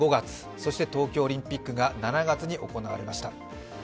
そして東京オリンピックが７月に行われました。